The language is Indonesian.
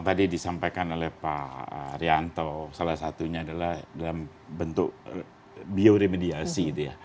tadi disampaikan oleh pak rianto salah satunya adalah dalam bentuk bioremediasi